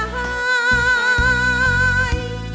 ทุกคืนวัน